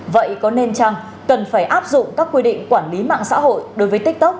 vậy có nên chăng cần phải áp dụng các quy định quản lý mạng xã hội